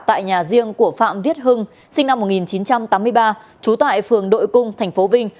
tại nhà riêng của phạm viết hưng sinh năm một nghìn chín trăm tám mươi ba trú tại phường đội cung tp vinh